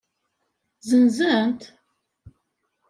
Zenzen-t?